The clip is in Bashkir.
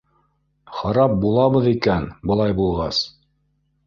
Харап булабыҙ икән, былай булғас!